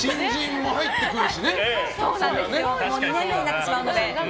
もう２年目になってしまうので。